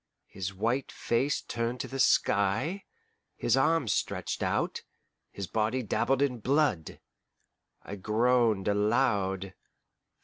his white face turned to the sky, his arms stretched out, his body dabbled in blood. I groaned aloud.